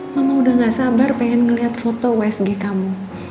mama udah gak sabar pengen ngeliat foto usg kamu